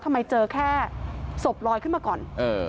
ทำไมเจอแค่ศพลอยขึ้นมาก่อนเออ